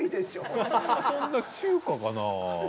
普段はそんな中華かな？